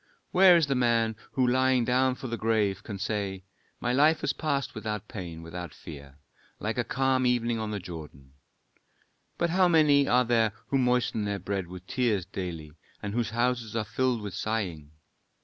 Where is the man who lying down for the grave, can say: My life has passed without pain, without fear, like a calm evening on the Jordan. "But how many are there who moisten their bread with tears daily, and whose houses are filled with sighing.